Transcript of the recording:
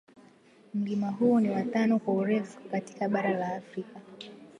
Mlima huo ni wa tano kwa urefu katika bara la Afrika.